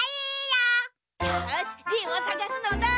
よしリンをさがすのだ！